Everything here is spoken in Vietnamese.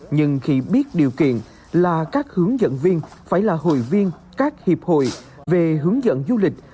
nhưng khi biết điều kiện là các hướng dẫn viên phải là hội viên các hiệp hội về hướng dẫn du lịch